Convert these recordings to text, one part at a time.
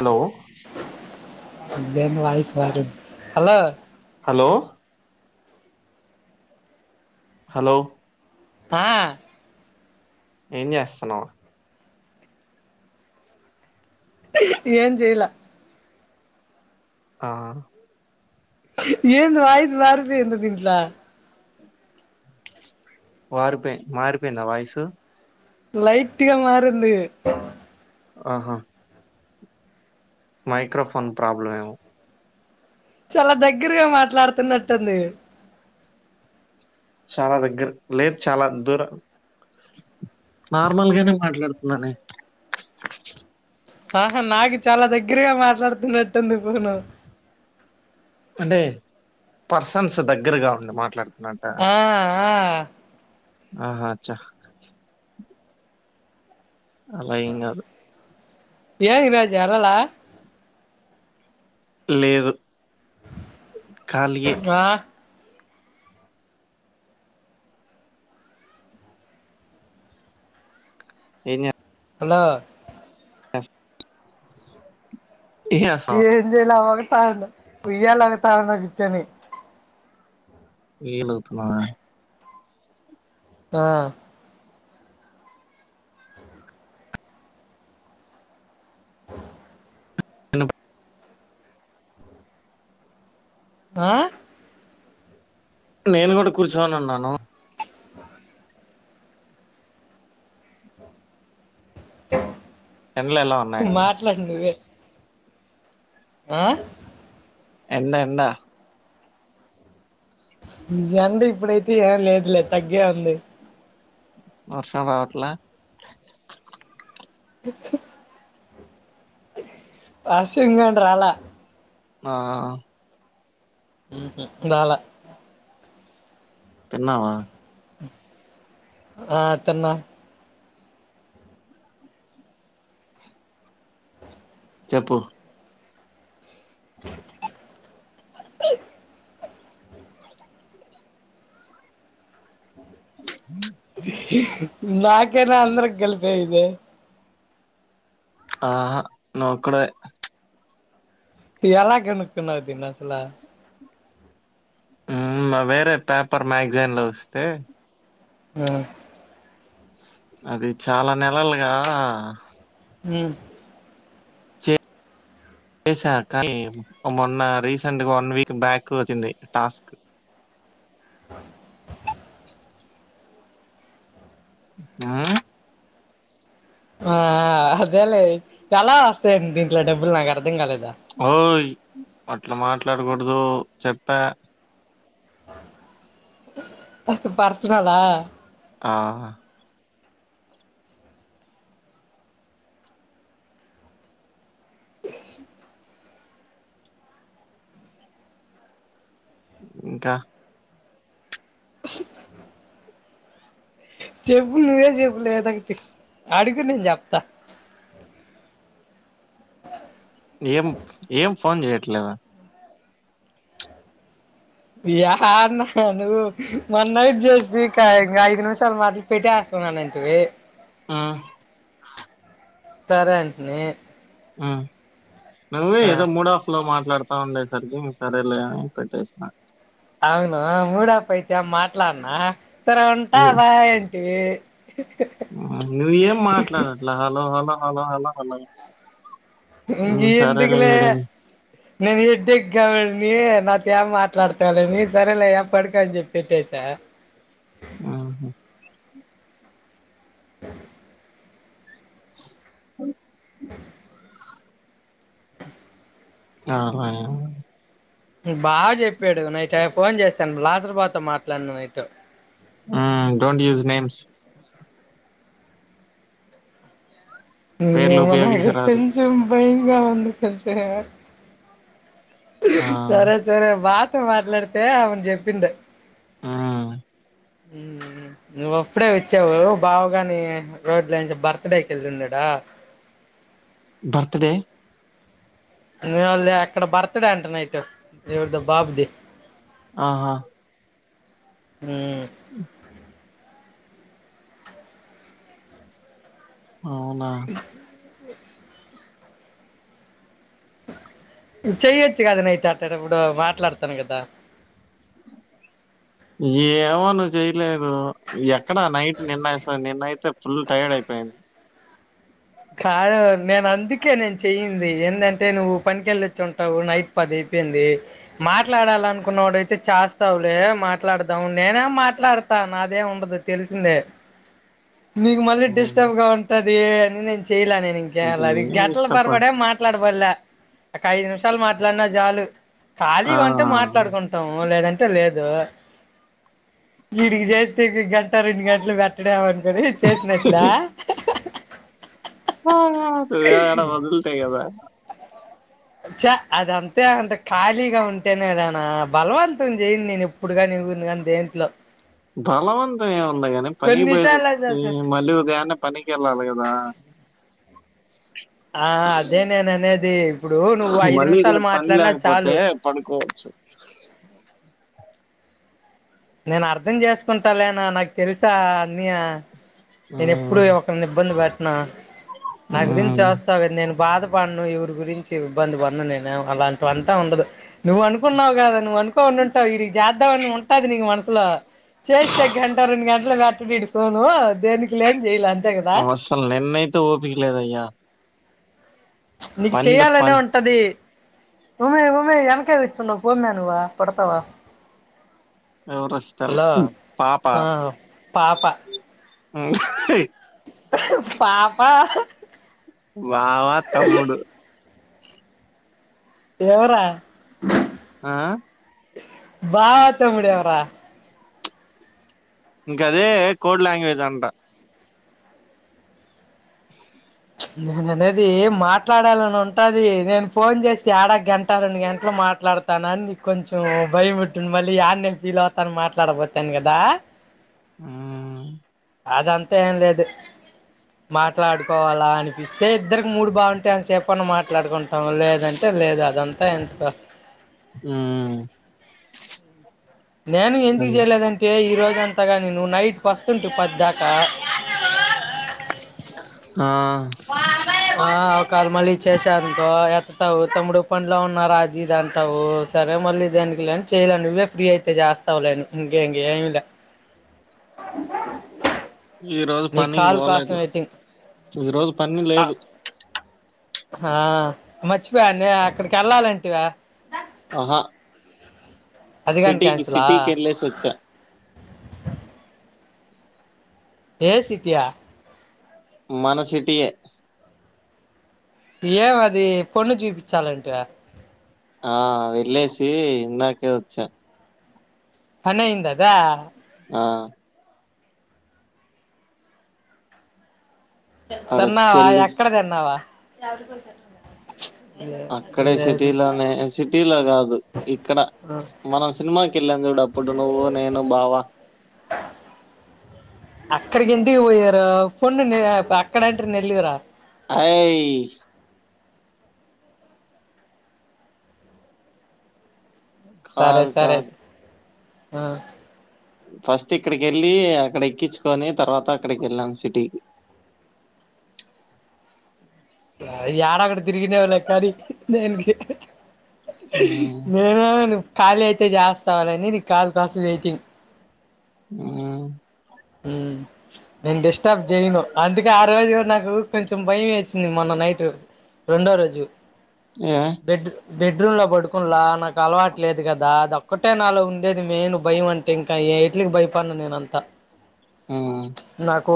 Hello [unintelligible] [unintelligible] hello hello hello ఆ ఏం చేస్తాన్నావ్ ఏం చేయలా ఆ ఏంది వాయిస్ మారిపోయింది దింట్లో వారిపోయి మారిపోయిందా వాయిసు లైట్గా మారింది ఆహా మైక్రోఫోన్ ప్రాబ్లమ్ ఏమో చాలా దగ్గరగా మాట్లాడుతున్నట్టుంది చాలా దగ్గర్ లేదు చాలా దూర నార్మల్గానే మాట్లాడుతున్నానే ఆహా నాకి చాలా దగ్గరగా మాట్లాడుతున్నట్టుంది ఫోను అంటే పర్సన్స్ దగ్గరగా ఉండి మాట్లా ఆ ఆ ఆహా అచ్చా అలా ఏం కాదు ఏం ఈరోజు ఎలలా లేదు ఖాళీయే ఆ ఏం చే హలో ఏం చేస్తున్నావ్ ఏం జేయాలా ఊగుతాండ్ ఉయ్యాల ఊగుతాండు కూర్చొని ఈనుగుతున్నావా ఆ అ ఇనుప్ ఆ నేను కూడా కూర్చొని ఉన్నాను ఆ ఎండలు ఎలా ఉన్నాయి అక్కడ మాట్లాడు నువ్వే ఆ ఎన్న ఎన్న ఎండ అంట ఇప్పుడైతే ఏం లేదు లేదు తగ్గే ఉంది వర్షం రావట్లా వర్షం రల ఆ రాలే తినవా ఆ తినం చెప్పు ఓ అ అ నాకేనా అంద్ర కలిపే ఇంద ఆహా నాకు ఒకరికే ఎలా కనుకునావ్ అసలు వేరే పేపర్ మ్యాగజైన్లు వస్తే ఆ అది చాలా నెలలుగా అ సా కానీ మొన్న రీసెంట్ గా వన్ వీక్ బ్యాక్ అంది టాస్క్ ఆ ఆ అదేలే ఎలా వస్తాయండి దీంట్లో డబ్బులు నాకు అర్థం కాలేదు ఓ అట్లా మాట్లాడకూడదు చెప్పా అది పర్సనల్ ఆ ఇంకా చెపులేదాకట్ అడుగునే జప్తా ఏం ఏం ఫోన్ చేయట్లేదా న్నా ను్వు మన్న నైట్ చేస్తుదికా ఇం ఐదు నిమిషాలు మారి పెట్టానంటివి ఆ సరే అంటిని నువ్వే ఆ ఏదో మూడఫ్ లో మాట్లాడుతా ఉండ సరికి ఇం సరేలే అని పెట్టేసిన అవును మూడప్ప అయితే మాట్లాడినా ఇంకా ఉంటా బాయ్ ఏంటివి నువ్ ఏం మాట్లాడట్లా hello hello hello hello hello ఇం హ్మ్. సరేలే ఎందుకలే వీడేం నీకుభేదచే ట్లాడుతాల మీ సరేలే ఏ పడుకని చెప్పప్తట్టేసా ఆ [inaudible] అ [inaudible] ఆహా బాగా చెప్పాడు నైట్ అ ఫోన్ చేశాను భలదరాబాద్ మాట్లాడిను నైటు డోంట్ యూస్ నేమ్స్ పేర్లు నాకు ఉపయోగించరాదు. కొంచెం భయంగా అంది తె ఆ! సరే సరే బాతో మాట్లాడితే అవును చెప్పిండ ఆ నువ్్వ అప్పుడే వచ్చావు బావుగాని రోడ్ల నుంచి బర్త్డేకి వెళ్ళిన్నాడా ఆ బర్త్ డే నుళ్ళ అక్కడ బర్త్డే అంట నైట్ ఎవరిదో బాబుది ఆహా ఆ అవునా చెయ్యొచ్చు కదా నైట్ అట్ట ఇప్పుడు మాట్లాడతాను కదా ఏమోన చేయలేదు ఎక్కడా నైట్ నిన్నస్తంది నిన్నయితే ఫుల్ టైర్డ్ అయిపోయా కాడ నేను అందుకే నేను చెయయింది ఏంటంటే నువ్వు పనికిెళ్ళొచ్చు ఉంటావు నైట్ పది చెప్పంది మాట్లాడాలనుకున్నాడుయితే చేస్తావులే మాట్లాడదాం నేనే మాట్లాడుత నాదేం ఉండదు తెలిసిందే [inaudible] నీకు మళ్ళీ హ్మ్. డిస్టర్బ్ గా ఉంటది అని నేను చెయలే నేను ఇంకే ఏం గంటల ఇష్టప పరబడే మాట్లాడ వల్ల ఒక ఐదు నిమిషాలు మాట్లాడిన జాలు ఆ! ఖాళీగా అంటే మాట్లాడుకుంటాము లేదంటే లేదు ో వీడికి చేస్తే గంట రెండు గంటలు పెట్టడామంట ఇడ చేసినట్లా డా మొదలుతగదా [unintelligible] చ అదంతే అంటే ఖాళీగా ఉంటేనేదానా బలవంతం చేయింది నేను ఇప్పుడు గాని కా ద ఏంట్లో బలవంతం ఏముంది గాని పనికి పోయ నిమిషాలు చ మళ్ళీ ఉదయాన్నే పనికి వెళ్ళాలి కదా ఆ అదే నేను అనేది ఇప్పుడు నువ్వు [inaudible] ఐదు మళ్ళీ నిమిషాలు రేపు పని మాట్లాడినా లేకపోతే చాలు పడుకోవచ్చు [inaudible] నేను అర్ధం చేసుకుంటా లేనా నాకు తెలుసా అన్న నేను ఎప్పుడు హ్మ్. ఒకరి ఇబ్బంది పెటినా నా గురించి హ్మ్. చస్తావు కదా నేను బాధపడను ఇవరికి గురించి ఇబ్బంది పను నేను అలాంటి అంతా ఉండదు నువ్వు అనుకున్నావు కదా నువ్వునుకోం ఉంటావు ఇీ జ చేద్దావ అని ఉంటుది నీకు మనసులో చేస్తే గంట రెండు గంటల మట్టడిడికోను దేనికి లేని చేయలే అంత అసలు నిన్నయితే ఓపికలేదుయ్యా నీకు చెయాలనే ఉంటది ఉమె ఉమె వెకే విచ్చు ఉండ పోమనువా పడతావా ఎర స్టల్ పా పా ఆ పాపా వావా తమ్ముడు దేవరా ఆహా బావా తమ్ముడివి రా ఇంకా అదే కోడ్ లాంగ్వేజ్ అంట నేను అనేది మాట్లాడాలని ఉంటది నేను ఫోన్ చేసి ఆడా గంట రెండు గంటలు మాట్లా మాట్లాడతాను అని నీకు కొంచెం భయం పెట్టింది మళ్ళీ ఆయ నేను ఫీల్ అవుతాను మాట్లాడపోతాను కదా హు అదంతా ఏం లేదు మాట్లాడుకోవాలా అనిపిస్తే ఇద్దరికి మూడు బాగుంటే అంతసేపుని మాట్లాడుకుంటాము లేదంటే లేదు అదంతా ఎంత హు నేను ఎందుకు చేయలేదంటే ఈ రోజు అంతగా నేను నైట్ పస్తుంటే పది ఆ ఆ కాల్ మళ్ళీ చేసానుకో టావు తమ్ముడు పనిలో ఉన్న అది ఇది అంటావు సరే మళ్ళీ దేనికిలే చేయలే నువ్వే ఫ్రీ అయితే జస్ చేస్తావు లే ఇంకే ఎం లే ఈ రోజు నీ పనికి కాల్ కోసం పోలేదు వెయిటింగ్ ఈ రోజు పని లేదు ఆ మర్చిపోయానే అక్కడికి వెళ్ళాలంటివే ఆహా అదిగాని సిటీకి క్యాన్సలా సిటీకి వెళ్ళేసి వచ్చా వేరే సిటీ యా మన సిటీ యే ఏంమది పొన్ను చూపించాలంటే ఆ వెళ్ళేసి ఇందాకే వచ్చా పనైందాద అ తిన్నావా అక్కడొచ్చెళ్ళి ఎక్కడ తిన్నావా అక్కడే లేదు సిటీలోనే సిటీలో కాదు ఇక్కడ మనం సినిమాకి కేళ్ళాం చూడు అప్పుడు నువ్వు నేను బావా అక్కడికి ఎందుకు పోయారు పొండినే అక్కడంట్రి నెల్లూర అయి సరే కాదు సరే కాదు ఆ ఫస్ట్ ఇక్కడికి వెళ్ళి అక్కడ ఎక్కించుకొని తర్వాత అక్కడికి వెళ్ళాం సిటీకి లయి ఏడ అవకూడదు తిరిగినావులే కాని నేను కే హ్మ్ నేను ఆగను ఖళీ అయితే చేస్తవ్లేఅని నీకు కాల్ కోసం వెయిటింగ్ ఉ నేను డిస్టర్బ్ చేయను అందుకే ఆ రోజు కూడా నాకు కొంచెం భయం వేసింది మేనం నైట్ రెండో రోజు య బెడ్ బెడ్రూమ్ లో పడుకున్నలా నాకు అలవాటు లేదు కదా అది ఒక్కటే నాలో ఉండేది మెయిన్ భయం అం టె ఇంకా ఏట్లికి భయపడను నేనంత ఉ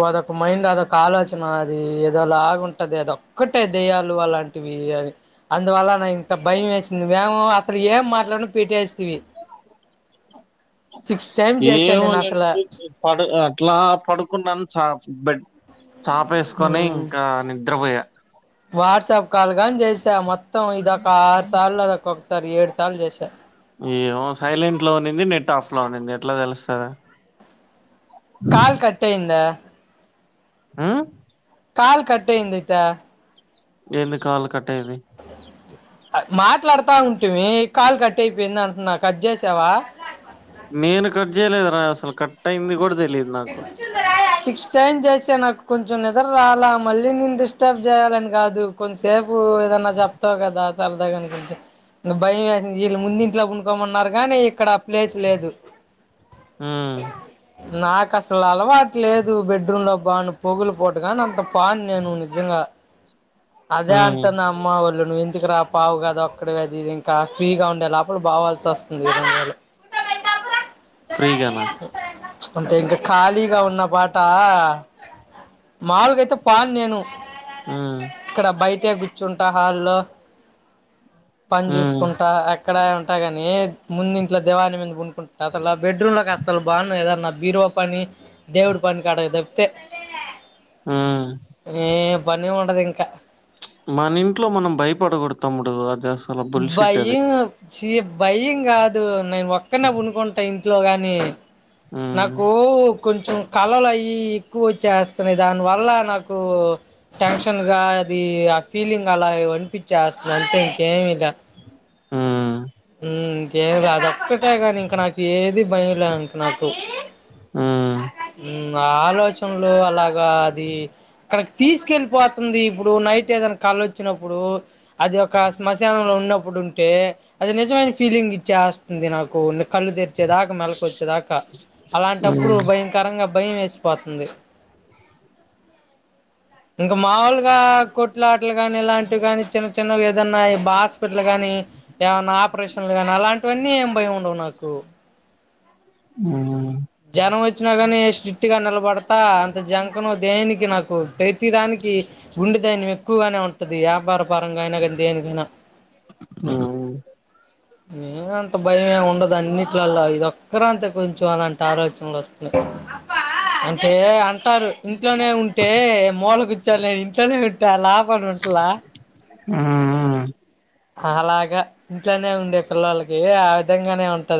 అదొక మైండ్ అదొక ఆలోచన అది ఏదో లాగుంటది అదొక్కటే దేయాలు అలాంటివి అది అందువల్ల నా ఇంత భయం వేసింది మేము అక్కడ ఏం మాట్లాడిన పీట్టేస్థివి ఏమో నేను అసలు పడు అట్లా పడుకున్నాను చ బెడ్ చాప వేసుకొని మ్ ఇంకా నిద్రపోయ వాట్సాప్ కాల్ గాని చేసా మొత్తం ఇదక ఆరు సార్లు అదోకొసారి ఏడు సార్లు చేసా ఏమో సైలెంట్ లో ఉనింది నెట్ ఆఫ్ లో ఉనింది ఎట్లా తెలుస్తదా కాల్ కట్టయింద ఆ కాల్ కటైందిటా ఎందు కాలు కటైంది మాట్లాడుతా ఉంటువి కాలు కట్ అయిపోయింది అంటున్నా కట్ చేసావా నేను కట్చేయలేదురా అసలు కట్టైంది కూడా తే సిక్స్ టైన్ చేసా నాకు కొంచెం నిద్ర రాలా మళ్ళీ నేను డిస్టర్బ్ చేయాలని కాదు కొంచెం సే నువ్వు ఏదన్నా చెప్తావు కదా తరదాగ గుంట భయం వేసింది వీళ్ళ ముందు ఇంట్లో పడుకోమన్నారు కానీ ఇక్కడ ఆ ప్లేస్ లేదు హ్మ్ నాకు అసలు అలవాటు లేదు బెడ్రూమ్ లో బాను పొగులు పోటు కానీ అంత పోను నేను నిజంగా అదే హ్మ్ అంటు నా అమ్మ వాళ్ళు నువ్వు ఇందుకి రా పావు కద ఒ అక్కడ వెది ఇది ఇంకా ఫ్రీగా ఉండేలా అప్పుడు బావాల్సి వస్తుంది సర ఏ ఫ్రీగానా అ స అంటే ఇంకా ఖాళీగా ఉన్న పాట మాములుగాయితే పాను నేను హ్మ్ ఇక్కడ బయటే కూర్చుంటా హాల్లో పని హ్మ్ చూసుకుంటా అక్కడ ఉంటాగాని ముందు ఇంట్లో దేవాన్ మీద పనుకుంట అలా బెడ్రూమ్ లోకి అసలు పోను కథ అన్నా బీరువా పని దేవుడు పనీ కటకు తప్తే మ్మ్ పని ఉండదు ఇంకా మన ఇంట్లో మనం భయపడకూడతాముడు అది అసలు బుల్షిట్ అది చి భయం కాదు నేను ఒక్కనే పనుకుంటా ఇంట్లో గాని ఆ నాకు కొంచెం కళలు అయి ఎక్కువ వచ్చేస్తున్నాయి దాని వల్ల నాకు టెన్షన్ గా అది ఆ ఫీలింగ్ అలా అనిపించేస్తుంది అంతే ఇంకేమీ లా మ్మ్ మ్మ్ ఇంకేం కాదు ఒక్కటే కాని ఇంక నాకు ఏది భయం లే ఇక నాకు ఆ ఆలోచనలు అలాగా అది కనకి తీసుకెళ్ళిపోతుంది ఇప్పుడు నైట్ ఏదైనా కళ్ళు వచ్చినప్పుడు అది ఒక శ్మశానంలో ఉన్నప్పుడు ఉంటే అది నిజమైన ఫీలింగ్ ఇచ్చేస్తుంది నాకు కళ్ళు తెరిచేదాకా మెలకొచ్చేదాకా ఆ అలాంటప్పుడు భయంకరంగా భయం వేసిపోతుంది ఇంకా మాముూలుగా కుట్లా ఆటలు కాని ఇలాంటివి కాని చిన్న చిన్నవి ఏదన్నా హాస్పిటలు గాని ఏమన్నా ఆపరేషన్లు కానీ అలాంటివన్నీ ఏం భయం ఉండవు నాకు మ్మ్ జనం వచ్చినా కానీ స్ట్రిక్ట్ గా నిలబడత అంత జంకను దేనికి నాకు ప్రైతి దానికి గుండె దైనియం ఎక్కువగానే ఉంటు పట్ది ఆ బార పారంగానా అయిన కానీ దేనికి అయినా మ్మ్ నేన అంత భయమే ఉండదు అన్నింటిల్లో ఇదిక్కర అంతే కొంచెం అలాంటే అ ఆలోచనలు వస్తున్నాయి అంటే అంటే అంటారు ఇంట్లోనే ఉంటే మూలకచ్చాలలేను ఇంట్లోనే ఉంటే అలా ఆపడి ఉంటలా మ్మ్ మ్మ్ అలాగా ఇంట్లోనే ఉంది పిల్లలకి ఆ విధంగానే ఉంటది